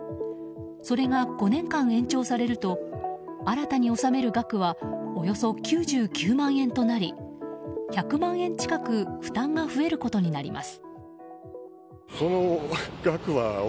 それが５年間延長されると新たに納める額はおよそ９９万円となり１００万円近く負担が増えることになります。